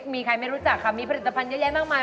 มีใครไม่รู้จักค่ะมีผลิตภัณฑ์เยอะแยะมากมาย